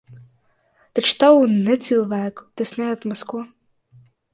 Taču tavu necilvēku tas neatmasko.